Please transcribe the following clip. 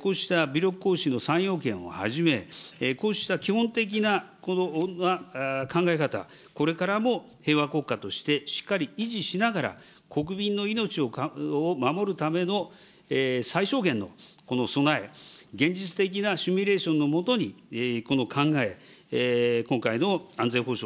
こうした武力行使の３要件をはじめ、こうした基本的な考え方、これからも平和国家としてしっかり維持しながら、国民の命を守るための最小限のこの備え、現実的なシミュレーションのもとに、この考え、今回の安全保障